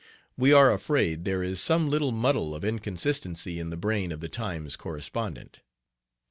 We are afraid there is some little muddle of inconsistency in the brain of the Times' correspondent.